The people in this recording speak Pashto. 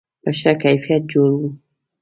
په ښه کیفیت جوړ و.